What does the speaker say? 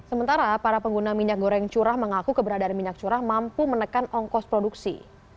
sementara para pengguna minyak goreng curah mengaku keberadaan minyak curah mampu menekan ongkos produksi